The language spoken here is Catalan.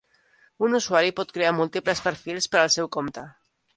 Un usuari pot crear múltiples perfils per al seu compte.